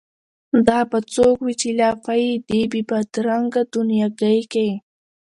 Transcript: دا به څوک وي چي لا پايي دې بې بد رنګه دنیاګۍ کي